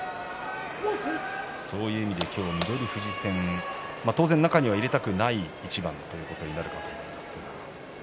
そういう意味で今日翠富士戦、当然中に入れたくない一番ということになるかと思いますが。